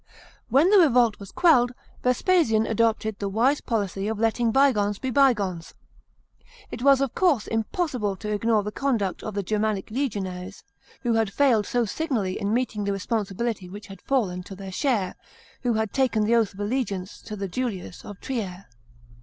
§ 15. When the revolt was quelled, Vespasian adopted the wise policy of letting bygones be bygones. It was of course impossible to ignore the conduct of the Germanic legionaries, who had failed BO signally in meeting the responsibility which had fallen to their 366 REBELLIONS IN GERMANY AND JUDEA. CHAP. xx. share — who had taken the oath of allegiance to the Julius of Trier.